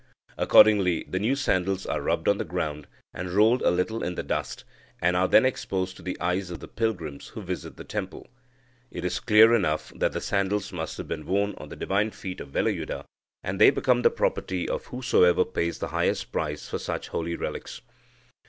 Accordingly the new sandals are rubbed on the ground and rolled a little in the dust, and are then exposed to the eyes of the pilgrims who visit the temple. It is clear enough that the sandals must have been worn on the divine feet of Velayuda; and they become the property of whosoever pays the highest price for such holy relics."